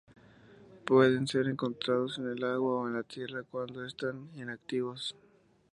Pueden ser encontrados en el agua o en la tierra cuando están inactivos.